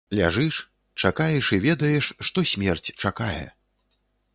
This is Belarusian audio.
Ляжыш, чакаеш і ведаеш, што смерць чакае.